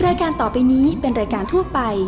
รายการต่อไปนี้เป็นรายการทั่วไป